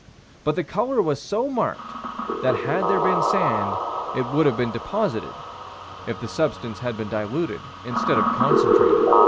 But the color was so marked that had there been sand, it would have been deposited, if the substance had been diluted instead of concentrated.